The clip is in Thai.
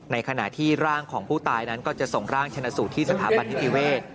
ในขณะที่ร่างของผู้ตายนั้นก็จะส่งร่างชนะสูตรที่สถาบันนิติเวศ